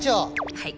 はい。